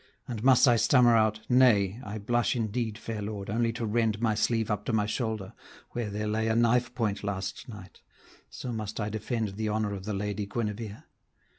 and must I stammer out, Nay, I blush indeed, fair lord, only to rend My sleeve up to my shoulder, where there lay A knife point last night: so must I defend The honour of the Lady Guenevere?